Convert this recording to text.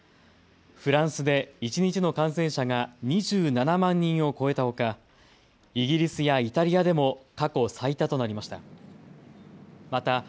フランスで一日の感染者が２７万人を超えたほかイギリスやイタリアでも過去最多となりました。